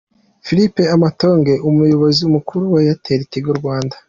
Philp Amoateng Umuyobozi mukuru wa Airtel-Tigo Rwanda.